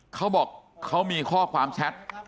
เขาบอกเขามีข้อความแชท